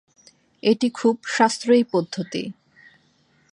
এটি খুব সাশ্রয়ী পদ্ধতি।